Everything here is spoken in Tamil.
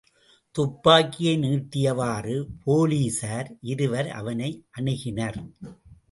துப்பாக்கியை நீட்டியவாறு போலீஸார் இருவர் அவனை அணுகினர்.